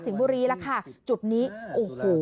สิงบุรีล่ะค่ะจุดนี้โอ้โห